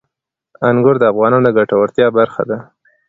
انګور د افغانانو د ګټورتیا برخه ده.